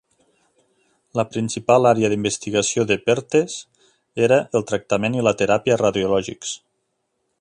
La principal àrea d'investigació de Perthes era el tractament i la teràpia radiològics.